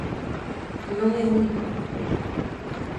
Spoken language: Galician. Non é único.